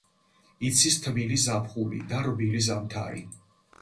იცის თბილი ზაფხული და რბილი ზამთარი.